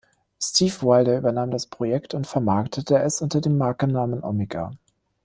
Steve Wilder übernahm das Projekt und vermarktete es unter dem Markennamen Omega.